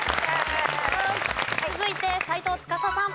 続いて斎藤司さん。